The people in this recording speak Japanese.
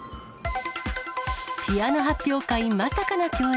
ピアノ発表会、まさかの共演。